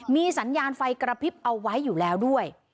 มีสัญญาณไฟกระพริบเอาไว้อยู่แล้วด้วย